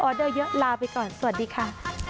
เดอร์เยอะลาไปก่อนสวัสดีค่ะ